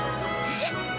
えっ？